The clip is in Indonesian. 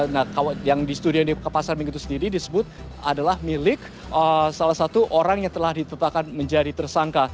nah yang di studio yang di pasar minggu itu sendiri disebut adalah milik salah satu orang yang telah ditetapkan menjadi tersangka